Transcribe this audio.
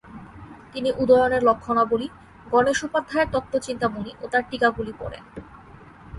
তিনি উদয়নের লক্ষণাবলি, গণেশ উপাধ্যায়ের তত্ত্বচিন্তামণি ও তার টীকাগুলি পড়েন।